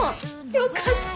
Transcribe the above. よかった。